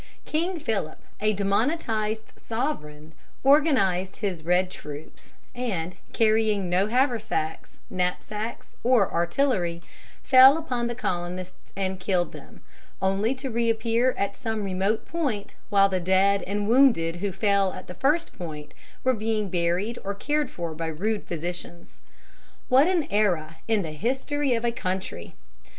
King Philip, a demonetized sovereign, organized his red troops, and, carrying no haversacks, knapsacks, or artillery, fell upon the colonists and killed them, only to reappear at some remote point while the dead and wounded who fell at the first point were being buried or cared for by rude physicians. What an era in the history of a country!